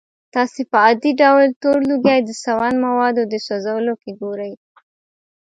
تاسې په عادي ډول تور لوګی د سون موادو د سوځولو کې ګورئ.